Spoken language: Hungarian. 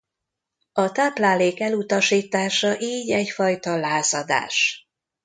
A táplálék elutasítása így egyfajta lázadás.